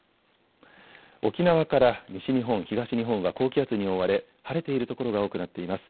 沖縄から西日本、東日本は高気圧に覆われ晴れている所が多くなっています。